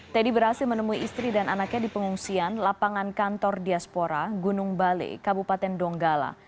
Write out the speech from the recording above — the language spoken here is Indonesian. teddy berhasil menemui istri dan anaknya di pengungsian lapangan kantor diaspora gunung bale kabupaten donggala